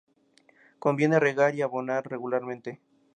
Conviene regar y abonar regularmente.